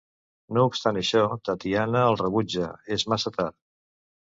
No obstant això, Tatiana el rebutja: és massa tard.